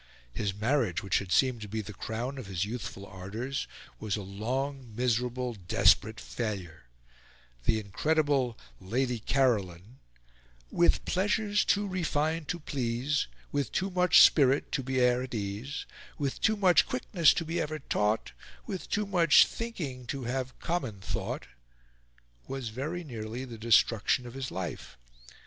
His marriage, which had seemed to be the crown of his youthful ardours, was a long, miserable, desperate failure: the incredible Lady Caroline, "With pleasures too refined to please, With too much spirit to be e'er at ease, With too much quickness to be ever taught, With too much thinking to have common thought," was very nearly the destruction of his life.